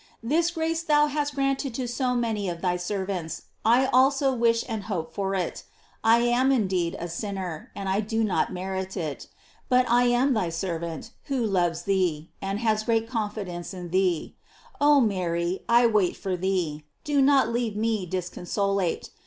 This grace thou hast granted to so many of thy servants, I also wish and hope for it. I am, indeed, a sinner, and I do not merit it; but I am thy servant, who loves thee, and has great confidence in thee. Oh Mary, I wait for thee, do not leave me dis consolate.